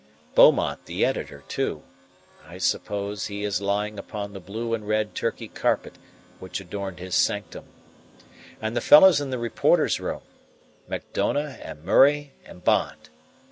Beaumont, the editor, too I suppose he is lying upon the blue and red Turkey carpet which adorned his sanctum. And the fellows in the reporters' room Macdona and Murray and Bond.